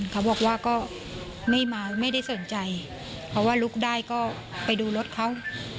เขาบอกว่าก็ไม่ได้สนใจเพราะว่าลุกได้ก็ไปดูรถเขา